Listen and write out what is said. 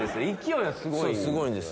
勢いはすごい。